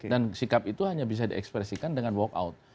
dan sikap itu hanya bisa diekspresikan dengan walk out